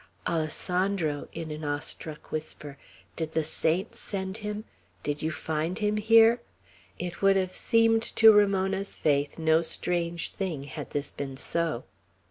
"Alessandro," in an awe struck whisper, "did the saints send him? Did you find him here?" It would have seemed to Ramona's faith no strange thing, had this been so.